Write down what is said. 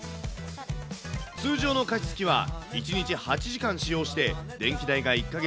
通常の加湿器は、１日８時間使用して電気代が１か月